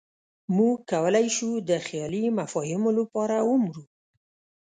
موږ کولی شو د خیالي مفاهیمو لپاره ومرو.